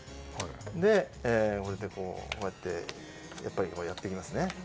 でそしてこうやってやっぱりこれをやっていきますね。